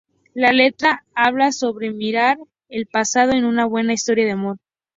La letra habla sobre mirar el pasado en una buena historia de amor.